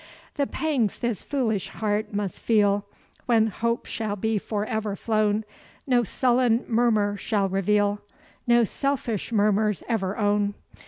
The pangs this foolish heart must feel, When hope shall be forever flown, No sullen murmur shall reveal, No selfish murmurs ever own.